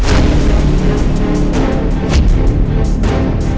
udah berhasil orangnya